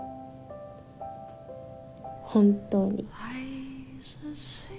本当に。